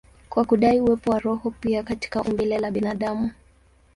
kwa kudai uwepo wa roho pia katika umbile la binadamu.